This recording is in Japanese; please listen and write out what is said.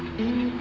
え？